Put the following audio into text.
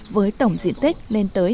với tổng diện tích lên tới